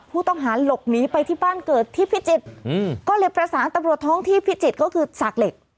ผู้ต้องหาหลบหนีไปที่บ้านเกิดที่พิจิตรก็เลยประสานตำรวจท้องที่พิจิตรก็คือสากเหล็ก